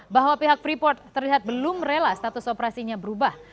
bahwa pihak freeport terlihat belum rela status operasinya berubah